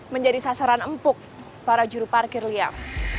menjadi sasaran empuk para juru parkir liar